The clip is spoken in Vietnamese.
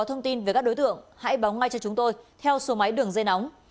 nguyên liệu với các đối tượng hãy báo ngay cho chúng tôi theo số máy đường dây nóng sáu chín hai ba hai hai bốn